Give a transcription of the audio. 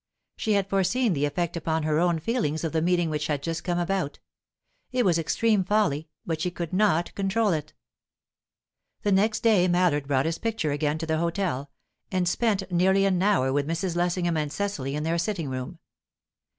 She had foreseen the effect upon her own feelings of the meeting which had just come about; it was extreme folly, but she could not control it. The next day Mallard brought his picture again to the hotel, and spent nearly an hour with Mrs. Lessingham and Cecily in their sitting room.